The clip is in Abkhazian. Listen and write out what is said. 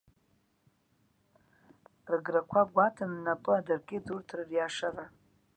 Рыграқәа гәаҭаны, напы адыркит урҭ рыриашара.